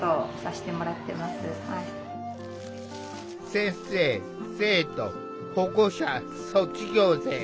先生生徒保護者卒業生。